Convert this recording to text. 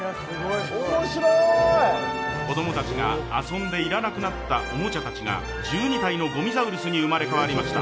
子供たちが遊んで要らなくなったおもちゃたちが、１２体のごみザウルスに生まれ変わりました。